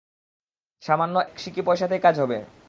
সামান্য এক সিকি পয়সাতেই কাজ হবে।